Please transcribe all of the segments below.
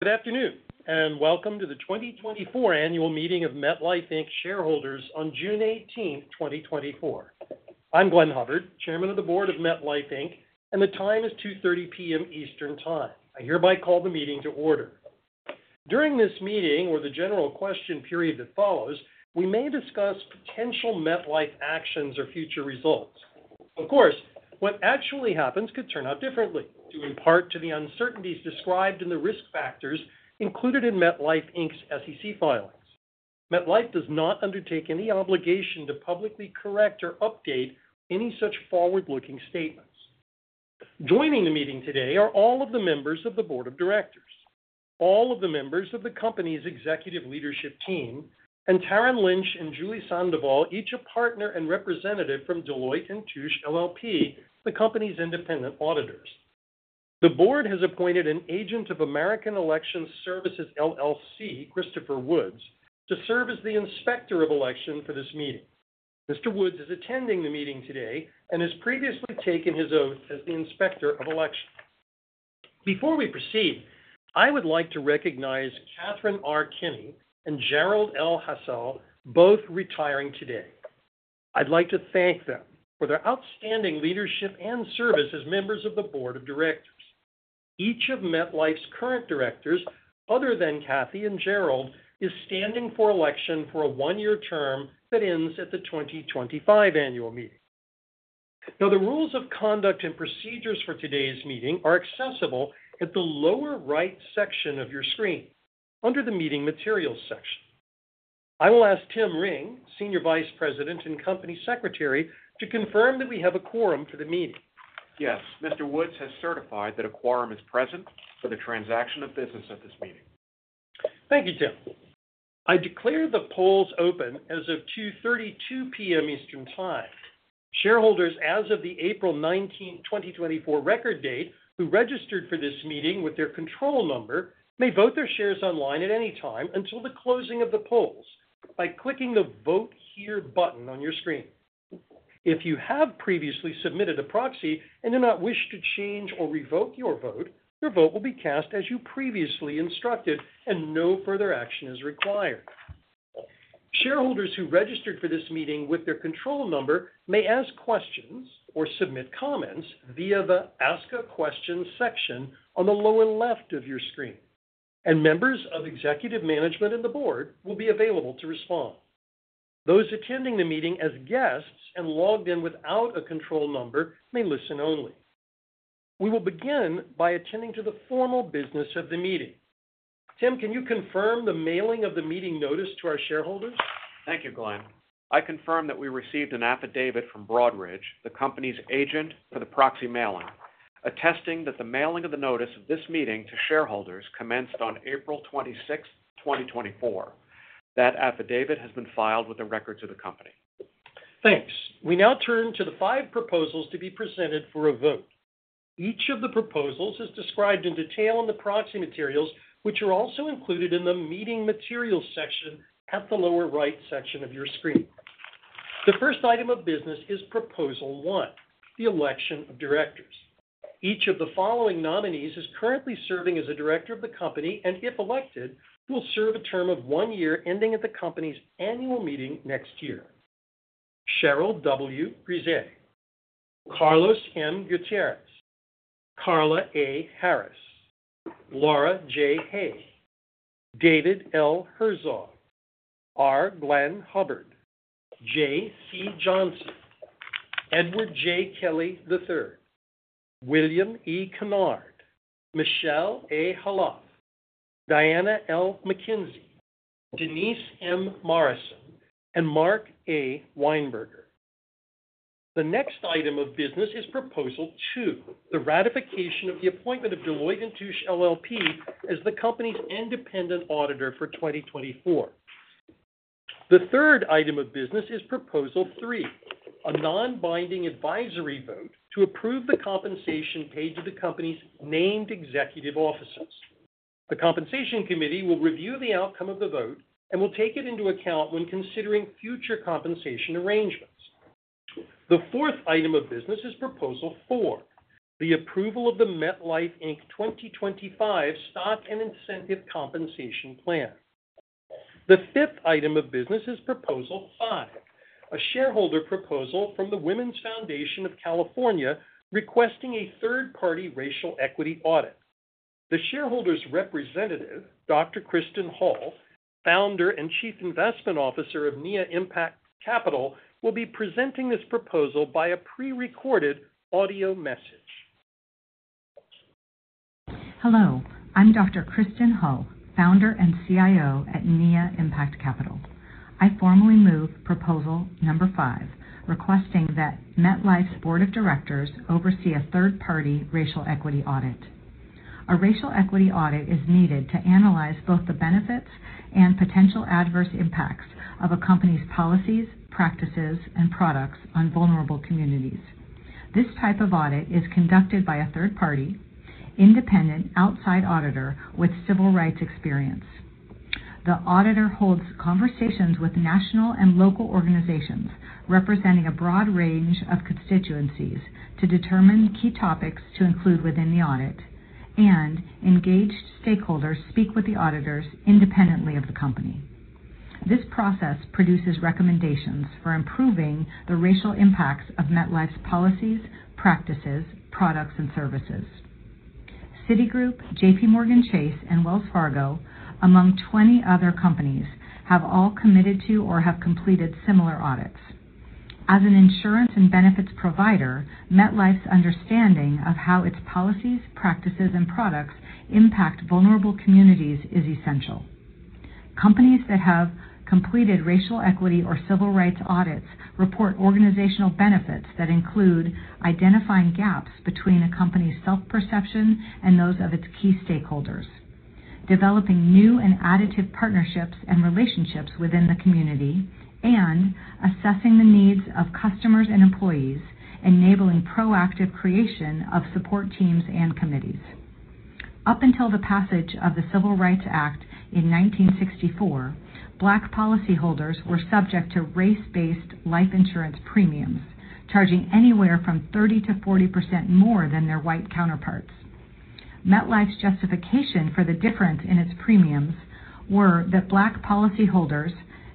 Good afternoon, and welcome to the 2024 Annual Meeting of MetLife, Inc. shareholders on June 18th, 2024. I'm Glenn Hubbard, Chairman of the Board of MetLife, Inc., and the time is 2:30 P.M. Eastern Time. I hereby call the meeting to order. During this meeting, or the general question period that follows, we may discuss potential MetLife actions or future results. Of course, what actually happens could turn out differently due in part to the uncertainties described in the risk factors included in MetLife, Inc.'s SEC filings. MetLife does not undertake any obligation to publicly correct or update any such forward-looking statements. Joining the meeting today are all of the members of the Board of Directors, all of the members of the company's executive leadership team, and Tara Lynch and Julie Sandoval, each a partner and representative from Deloitte & Touche LLP, the company's independent auditors. The Board has appointed an agent of American Election Services, LLC, Christopher Woods, to serve as the inspector of election for this meeting. Mr. Woods is attending the meeting today and has previously taken his oath as the inspector of elections. Before we proceed, I would like to recognize Catherine R. Kinney and Gerald L. Hassell, both retiring today. I'd like to thank them for their outstanding leadership and service as members of the Board of Directors. Each of MetLife's current directors, other than Kathy and Gerald, is standing for election for a one-year term that ends at the 2025 Annual Meeting. Now, the rules of conduct and procedures for today's meeting are accessible at the lower right section of your screen, under the Meeting Materials section. I will ask Tim Ring, Senior Vice President and Company Secretary, to confirm that we have a quorum for the meeting. Yes, Mr. Woods has certified that a quorum is present for the transaction of business at this meeting. Thank you, Tim. I declare the polls open as of 2:32 P.M. Eastern Time. Shareholders, as of the April 19th, 2024, record date, who registered for this meeting with their control number may vote their shares online at any time until the closing of the polls by clicking the Vote Here button on your screen. If you have previously submitted a proxy and do not wish to change or revoke your vote, your vote will be cast as you previously instructed, and no further action is required. Shareholders who registered for this meeting with their control number may ask questions or submit comments via the Ask a Question section on the lower left of your screen, and members of executive management and the Board will be available to respond. Those attending the meeting as guests and logged in without a control number may listen only. We will begin by attending to the formal business of the meeting. Tim, can you confirm the mailing of the meeting notice to our shareholders? Thank you, Glenn. I confirm that we received an affidavit from Broadridge, the company's agent for the proxy mailing, attesting that the mailing of the notice of this meeting to shareholders commenced on April 26th, 2024. That affidavit has been filed with the records of the company. Thanks. We now turn to the five proposals to be presented for a vote. Each of the proposals is described in detail in the proxy materials, which are also included in the Meeting Materials section at the lower right section of your screen. The first item of business is Proposal One, the Election of Directors. Each of the following nominees is currently serving as a director of the company and, if elected, will serve a term of one year ending at the company's Annual Meeting next year: Cheryl W. Grisé, Carlos M. Gutierrez, Carla A. Harris, Laura J. Hay, David L. Herzog, R. Glenn Hubbard, Jeh C. Johnson, Edward J. Kelly III, William E. Kennard, Michel A. Khalaf, Diana L. McKenzie, Denise M. Morrison, and Mark A. Weinberger. The next item of business is Proposal Two, the ratification of the appointment of Deloitte & Touche LLP as the company's independent auditor for 2024. The third item of business is Proposal Three, a non-binding advisory vote to approve the compensation paid to the company's named executive officers. The Compensation Committee will review the outcome of the vote and will take it into account when considering future compensation arrangements. The fourth item of business is Proposal Four, the approval of the MetLife, Inc. 2025 Stock and Incentive Compensation Plan. The fifth item of business is Proposal Five, a shareholder proposal from the Women's Foundation of California requesting a third-party racial equity audit. The shareholder's representative, Dr. Kristin Hull, founder and chief investment officer of Nia Impact Capital, will be presenting this proposal by a prerecorded audio message. Hello. I'm Dr. Kristin Hull, founder and CIO at Nia Impact Capital. I formally move Proposal Number Five, requesting that MetLife's Board of Directors oversee a third-party racial equity audit. A racial equity audit is needed to analyze both the benefits and potential adverse impacts of a company's policies, practices, and products on vulnerable communities. This type of audit is conducted by a third-party, independent, outside auditor with civil rights experience. The auditor holds conversations with national and local organizations representing a broad range of constituencies to determine key topics to include within the audit, and engaged stakeholders speak with the auditors independently of the company. This process produces recommendations for improving the racial impacts of MetLife's policies, practices, products, and services. Citigroup, JPMorgan Chase, and Wells Fargo, among 20 other companies, have all committed to or have completed similar audits. As an insurance and benefits provider, MetLife's understanding of how its policies, practices, and products impact vulnerable communities is essential. Companies that have completed racial equity or civil rights audits report organizational benefits that include identifying gaps between a company's self-perception and those of its key stakeholders, developing new and additive partnerships and relationships within the community, and assessing the needs of customers and employees, enabling proactive creation of support teams and committees. Up until the passage of the Civil Rights Act in 1964, Black policyholders were subject to race-based life insurance premiums, charging anywhere from 30%-40% more than their white counterparts. MetLife's justification for the difference in its premiums was that Black policyholders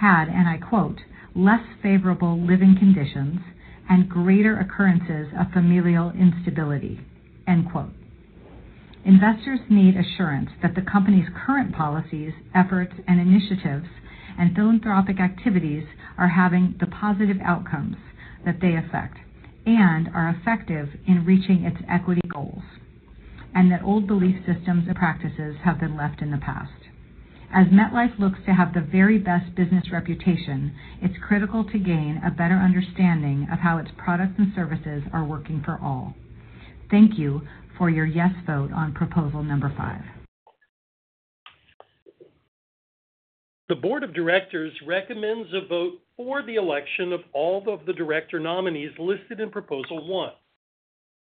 had, and I quote, "less favorable living conditions and greater occurrences of familial instability." Investors need assurance that the company's current policies, efforts, initiatives, and philanthropic activities are having the positive outcomes that they affect and are effective in reaching its equity goals, and that old belief systems and practices have been left in the past. As MetLife looks to have the very best business reputation, it's critical to gain a better understanding of how its products and services are working for all. Thank you for your yes vote on Proposal Number Five. The Board of Directors recommends a vote for the election of all of the director nominees listed in Proposal One,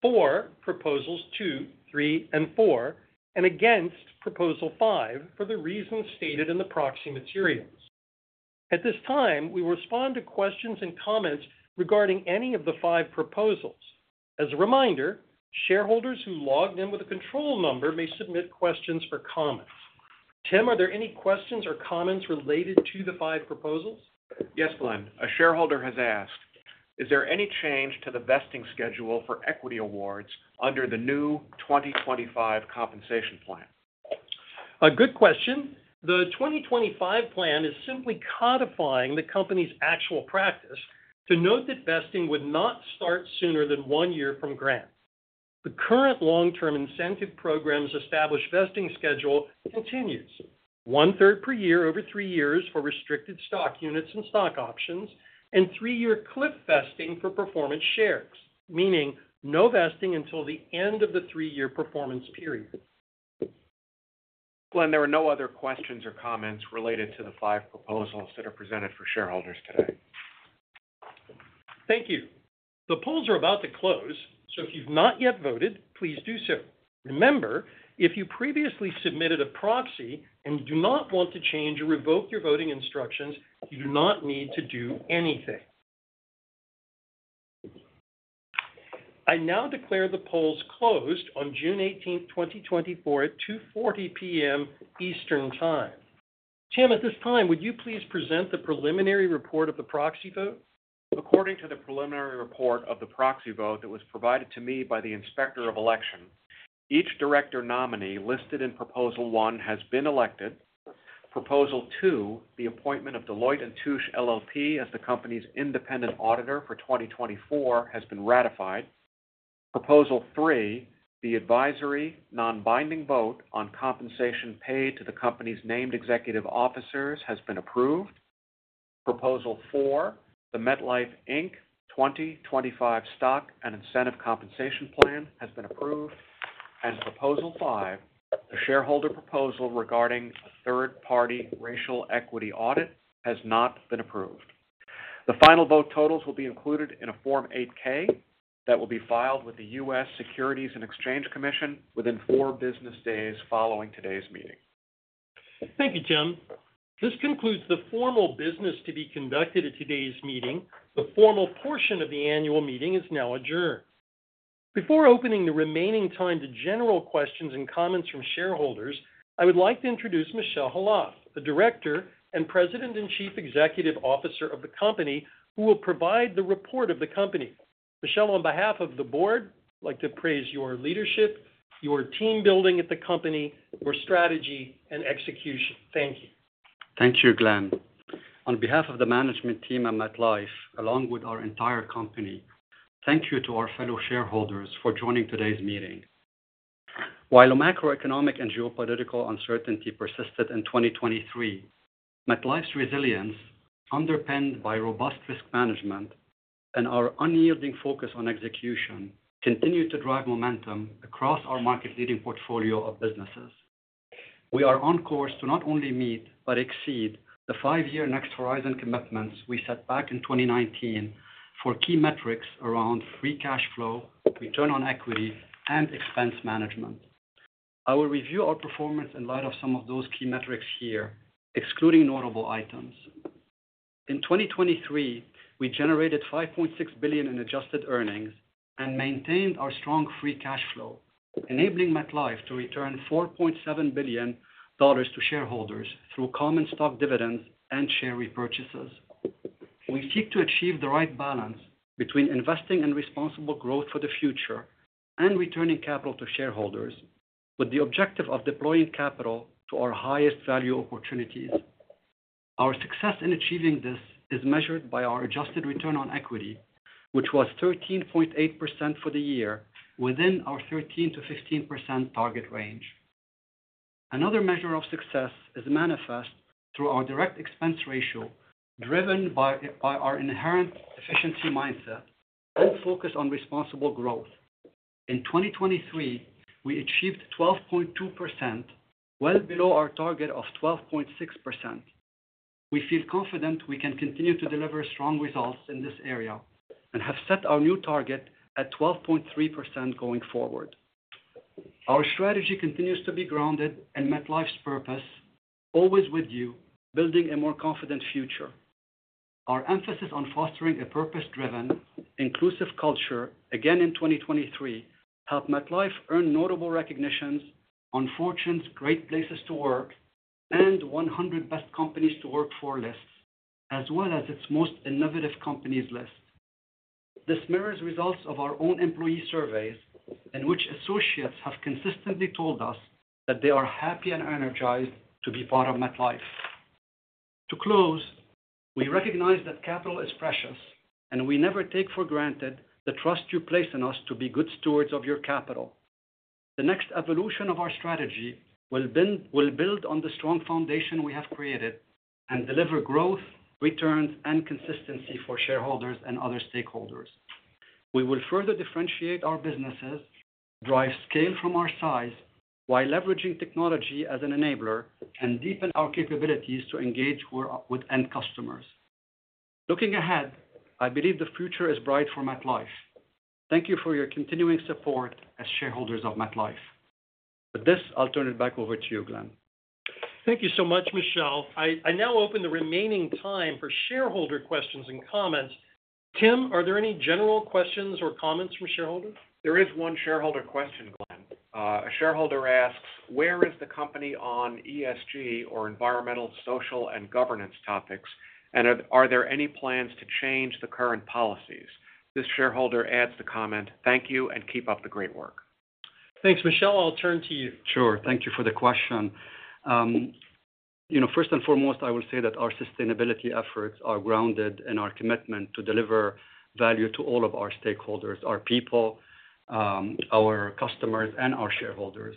for Proposals Two, Three, and Four, and against Proposal Five for the reasons stated in the proxy materials. At this time, we will respond to questions and comments regarding any of the five proposals. As a reminder, shareholders who logged in with a Control Number may submit questions for comments. Tim, are there any questions or comments related to the five proposals? Yes, Glenn. A shareholder has asked, "Is there any change to the vesting schedule for equity awards under the new 2025 Compensation Plan? A good question. The 2025 Plan is simply codifying the company's actual practice to note that vesting would not start sooner than one year from grants. The current long-term incentive programs' established vesting schedule continues: one-third per year over three years for restricted stock units and stock options, and three-year cliff vesting for performance shares, meaning no vesting until the end of the three-year performance period. Glenn, there are no other questions or comments related to the five proposals that are presented for shareholders today. Thank you. The polls are about to close, so if you've not yet voted, please do so. Remember, if you previously submitted a proxy and do not want to change or revoke your voting instructions, you do not need to do anything. I now declare the polls closed on June 18th, 2024, at 2:40 P.M. Eastern Time. Tim, at this time, would you please present the preliminary report of the proxy vote? According to the preliminary report of the proxy vote that was provided to me by the inspector of election, each director nominee listed in Proposal One has been elected. Proposal Two, the appointment of Deloitte & Touche LLP as the company's independent auditor for 2024 has been ratified. Proposal Three, the advisory non-binding vote on compensation paid to the company's named executive officers has been approved. Proposal Four, the MetLife, Inc. 2025 Stock and Incentive Compensation Plan has been approved. Proposal Five, the shareholder proposal regarding a third-party racial equity audit has not been approved. The final vote totals will be included in a Form 8-K that will be filed with the U.S. Securities and Exchange Commission within four business days following today's meeting. Thank you, Tim. This concludes the formal business to be conducted at today's meeting. The formal portion of the Annual Meeting is now adjourned. Before opening the remaining time to general questions and comments from shareholders, I would like to introduce Michel Khalaf, the Director and President and Chief Executive Officer of the company, who will provide the report of the company. Michel, on behalf of the Board, I'd like to praise your leadership, your team building at the company, your strategy, and execution. Thank you. Thank you, Glenn. On behalf of the management team at MetLife, along with our entire company, thank you to our fellow shareholders for joining today's meeting. While macroeconomic and geopolitical uncertainty persisted in 2023, MetLife's resilience, underpinned by robust risk management and our unyielding focus on execution, continued to drive momentum across our market-leading portfolio of businesses. We are on course to not only meet but exceed the five-year Next Horizon commitments we set back in 2019 for key metrics around free cash flow, return on equity, and expense management. I will review our performance in light of some of those key metrics here, excluding notable items. In 2023, we generated $5.6 billion in adjusted earnings and maintained our strong free cash flow, enabling MetLife to return $4.7 billion to shareholders through common stock dividends and share repurchases. We seek to achieve the right balance between investing in responsible growth for the future and returning capital to shareholders with the objective of deploying capital to our highest value opportunities. Our success in achieving this is measured by our adjusted return on equity, which was 13.8% for the year, within our 13%-15% target range. Another measure of success is manifest through our direct expense ratio, driven by our inherent efficiency mindset and focus on responsible growth. In 2023, we achieved 12.2%, well below our target of 12.6%. We feel confident we can continue to deliver strong results in this area and have set our new target at 12.3% going forward. Our strategy continues to be grounded in MetLife's purpose, always with you, building a more confident future. Our emphasis on fostering a purpose-driven, inclusive culture, again in 2023, helped MetLife earn notable recognitions on Fortune's Great Places to Work and 100 Best Companies to Work For lists, as well as its Most Innovative Companies list. This mirrors results of our own employee surveys, in which associates have consistently told us that they are happy and energized to be part of MetLife. To close, we recognize that capital is precious, and we never take for granted the trust you place in us to be good stewards of your capital. The next evolution of our strategy will build on the strong foundation we have created and deliver growth, returns, and consistency for shareholders and other stakeholders. We will further differentiate our businesses, drive scale from our size while leveraging technology as an enabler, and deepen our capabilities to engage with end customers. Looking ahead, I believe the future is bright for MetLife. Thank you for your continuing support as shareholders of MetLife. With this, I'll turn it back over to you, Glenn. Thank you so much, Michel. I now open the remaining time for shareholder questions and comments. Tim, are there any general questions or comments from shareholders? There is one shareholder question, Glenn. A shareholder asks, "Where is the company on ESG or environmental, social, and governance topics, and are there any plans to change the current policies?" This shareholder adds the comment, "Thank you and keep up the great work. Thanks, Michel. I'll turn to you. Sure. Thank you for the question. You know, first and foremost, I will say that our sustainability efforts are grounded in our commitment to deliver value to all of our stakeholders, our people, our customers, and our shareholders.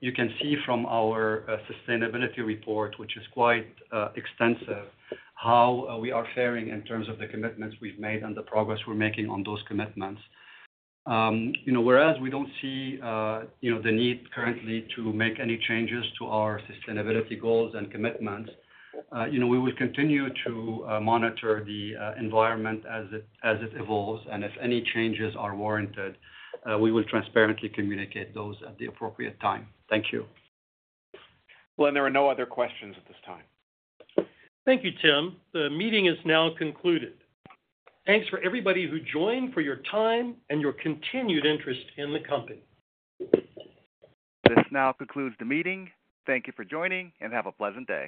You can see from our sustainability report, which is quite extensive, how we are faring in terms of the commitments we've made and the progress we're making on those commitments. You know, whereas we don't see, you know, the need currently to make any changes to our sustainability goals and commitments, you know, we will continue to monitor the environment as it evolves, and if any changes are warranted, we will transparently communicate those at the appropriate time. Thank you. Glenn, there are no other questions at this time. Thank you, Tim. The meeting is now concluded. Thanks for everybody who joined for your time and your continued interest in the company. This now concludes the meeting. Thank you for joining, and have a pleasant day.